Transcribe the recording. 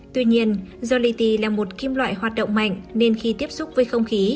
tuy nhiên do li ti là một kim loại hoạt động mạnh nên khi tiếp xúc với không khí